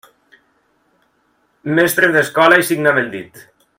Mestre d'escola i signa amb el dit.